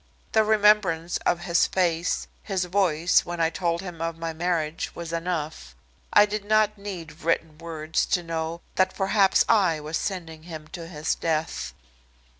The remembrance of his face, his voice, when I told him of my marriage was enough. I did not need written words to know that perhaps I was sending him to his death!